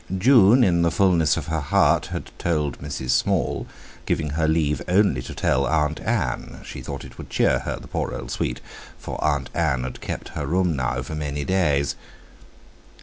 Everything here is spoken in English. June, in the fulness of her heart, had told Mrs. Small, giving her leave only to tell Aunt Ann—she thought it would cheer her, the poor old sweet! for Aunt Ann had kept her room now for many days.